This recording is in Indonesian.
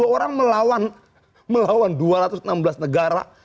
sepuluh orang melawan dua ratus enam belas negara